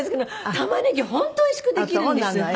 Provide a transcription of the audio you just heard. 玉ねぎ本当おいしくできるんです。